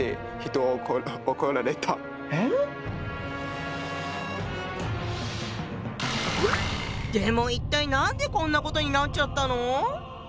ええっ⁉でも一体何でこんなことになっちゃったの？